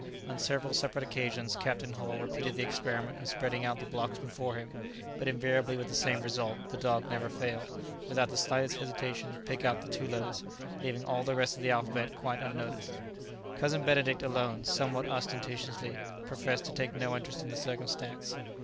On several separate occasions Captain Hull repeated the experiment of spreading out the blocks before him, but invariably with the same result; the dog never failed, without the slightest hesitation, to pick out the two letters, leaving all the rest of the alphabet quite unnoticed. Cousin Benedict alone, somewhat ostentatiously, professed to take no interest in the circumstance.